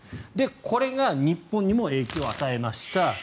これが日本にも影響を与えました。